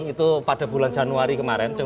itu pada bulan januari kemarin